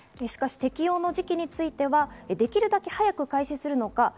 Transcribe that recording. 適用の時期についてはできるだけ早く開始するのか。